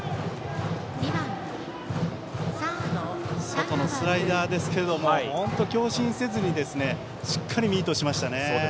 外のスライダーですけども強振せずにしっかりミートしました。